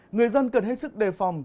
người dân cần hết sức đề phòng